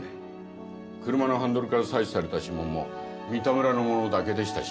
車のハンドルから採取された指紋も三田村のものだけでしたし。